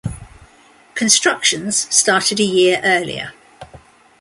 Constructions started a year earlier.